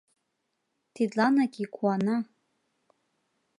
Тидланак и куана.